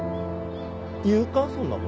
言うかそんな事。